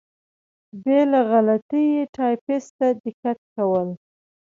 بې له غلطۍ یې ټایپېسټ ته دیکته کول.